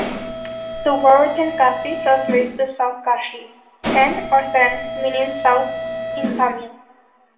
The word "Tenkasi" translates to "South Kashi" ("ten" or "then" meaning south in Tamil).